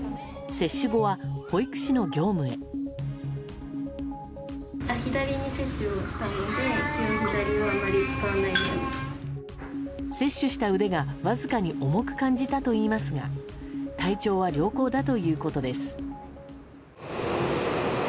接種した腕がわずかに重く感じたといいますが体調は良好だということです。